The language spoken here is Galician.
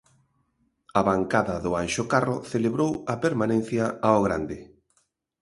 A bancada do Anxo Carro celebrou a permanencia ao grande.